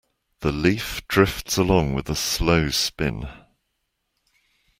The leaf drifts along with a slow spin.